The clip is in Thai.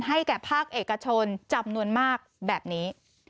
แก่ภาคเอกชนจำนวนมากแบบนี้